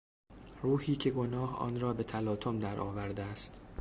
روحی که گناه آنرا به تلاطم در آورده است